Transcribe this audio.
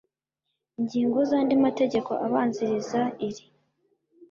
ingingo z’andi mategeko abanziriza iri